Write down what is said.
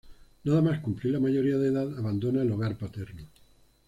Nada más cumplir la mayoría de edad abandona el hogar paterno.